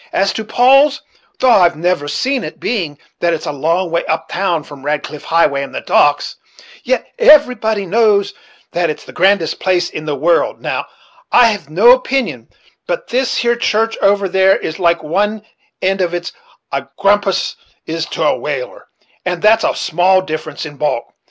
As to Paul's, thof I've never seen it, being that it's a long way up town from Radcliffe Highway and the docks, yet everybody knows that it's the grandest place in the world Now, I've no opinion but this here church over there is as like one end of it as a grampus is to a whale; and that's only a small difference in bulk.